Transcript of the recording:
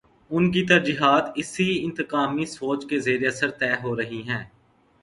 ان کی ترجیحات اسی انتقامی سوچ کے زیر اثر طے ہو رہی ہیں۔